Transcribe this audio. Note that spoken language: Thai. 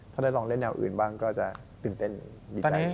ถ้าได้ลองเล่นแนวอื่นบ้างก็จะตื่นเต้นดีใจ